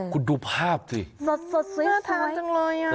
คุณดูภาพสิสดน่าทานจังเลยอ่ะ